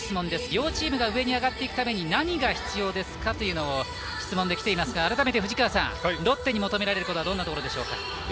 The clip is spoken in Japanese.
両チームが上に上がっていくために何が必要ですかという質問がきています、藤川さんロッテに求められることはどんなことでしょうか。